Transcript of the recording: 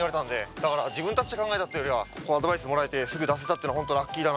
だから自分たちで考えたっていうよりはアドバイスもらえてすぐ出せたっていうのはホントラッキーだなと思いました。